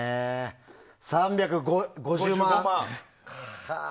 ３５５万。